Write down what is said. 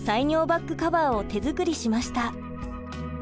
バッグカバーを手作りしました。